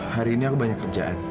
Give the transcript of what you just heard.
hari ini aku banyak kerjaan